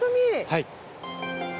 はい。